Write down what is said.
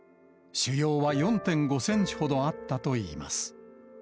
腫瘍は４．５センチほどあったといいます。